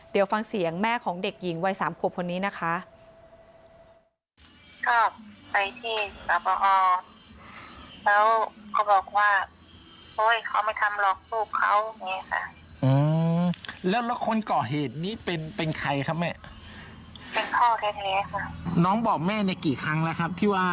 เดี๋ยวฟังเสียงแม่ของเด็กหญิงวัย๓ขวบคนนี้นะคะ